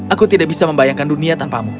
aku tidak bisa membayangkan dunia tanpamu